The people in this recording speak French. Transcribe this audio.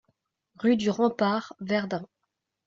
Rue du Rempart, Verdun